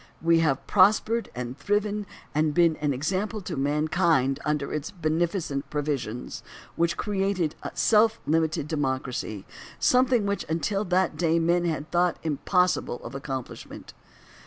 We have prospered and thriven and been an example to man THE BILL OF RIGHTS 121 kind under its beneficent provisions which created a self Hmited democracy, something which until that day men had thought impossible of accomplishment.